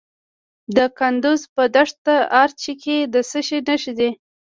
د کندز په دشت ارچي کې د څه شي نښې دي؟